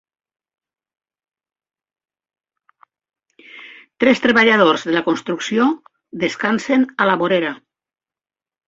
Tres treballadors de la construcció descansen a la vorera.